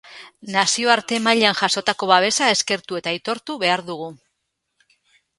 Nazioarte mailan jasotako babesa eskertu eta aitortu behar dugu.